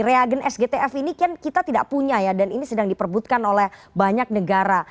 reagen sgtf ini kan kita tidak punya ya dan ini sedang diperbutkan oleh banyak negara